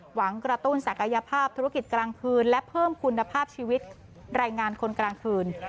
กระตุ้นศักยภาพธุรกิจกลางคืนและเพิ่มคุณภาพชีวิตรายงานคนกลางคืน